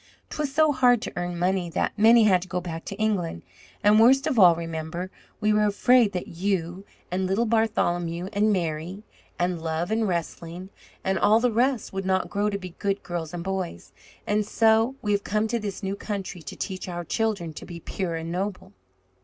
'Twas so hard to earn money that many had to go back to England. And worst of all, Remember, we were afraid that you and little Bartholomew and Mary and Love and Wrestling and all the rest would not grow to be good girls and boys. And so we have come to this new country to teach our children to be pure and noble."